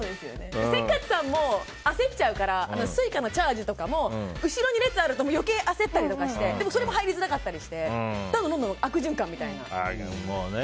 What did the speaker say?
せっかちさんも焦っちゃうからスイカのチャージとかも後ろに列があると余計に焦ったりして入りづらかったりしてどんどん悪循環みたいな。